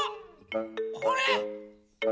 これ。